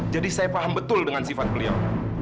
jadi saya paham betul dengan sifat beliau